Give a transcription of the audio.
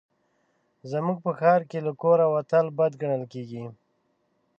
زموږ په ښار کې له کوره وتل بد ګڼل کېږي